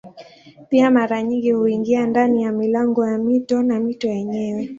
Pia mara nyingi huingia ndani ya milango ya mito na mito yenyewe.